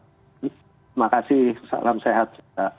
terima kasih salam sehat